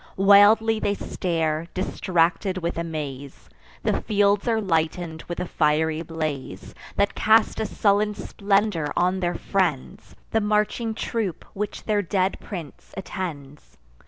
Wildly they stare, distracted with amaze: The fields are lighten'd with a fiery blaze, That cast a sullen splendour on their friends, The marching troop which their dead prince attends.